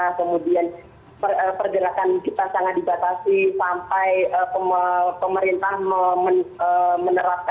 karena kemudian pergerakan kita sangat dibatasi sampai pemerintah menerapkan siang malam pukul delapan belas seperti itu